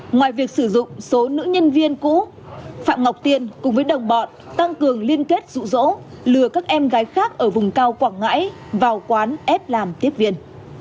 ngoài việc sử dụng số nữ nhân viên cũ phạm ngọc tiên cùng với đồng bọn tăng cường liên kết rụ rỗ lừa các em gái khác ở vùng cao quảng ngãi vào quán ép làm tiếp viên